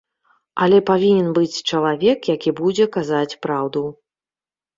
Але павінен быць чалавек, які будзе казаць праўду.